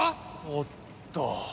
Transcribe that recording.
おっと。